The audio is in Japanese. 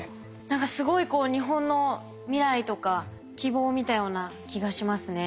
何かすごいこう日本の未来とか希望を見たような気がしますね。